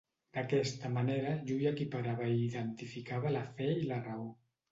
D'aquesta manera, Llull equiparava i identificava la fe i la raó.